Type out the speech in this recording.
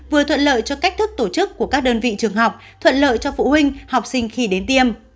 vừa thuận lợi cho cách thức tổ chức của các đơn vị trường học thuận lợi cho phụ huynh học sinh khi đến tiêm